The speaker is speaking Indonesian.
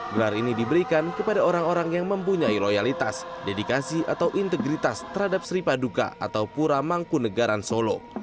gelar ini diberikan kepada orang orang yang mempunyai loyalitas dedikasi atau integritas terhadap sri paduka atau pura mangkunegaran solo